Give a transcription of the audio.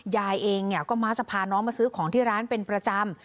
ยายเองก็มักจะพาน้องมาซื้อของที่ร้านเป็นประจำ